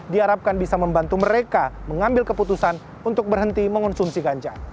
diharapkan bisa membantu mereka mengambil keputusan untuk berhenti mengonsumsi ganja